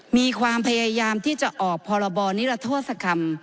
มีความพยายามที่จะออกพรบนิรโทษกรรม